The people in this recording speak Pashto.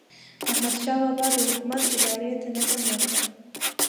احمدشاه بابا د حکومت ادارې ته نظم ورکړ.